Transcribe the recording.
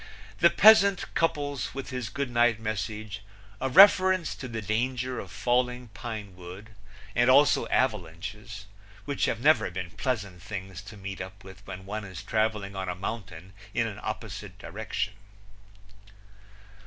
The peasant couples with his good night message a reference to the danger of falling pine wood and also avalanches, which have never been pleasant things to meet up with when one is traveling on a mountain in an opposite direction.